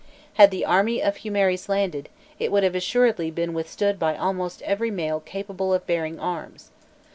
Had the army of Humieres landed, it would assuredly have been withstood by almost every male capable of bearing arms.